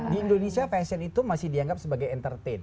di indonesia fashion itu masih dianggap sebagai entertain